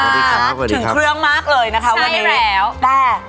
ถึงเครื่องมากเลยนะคะวันนี้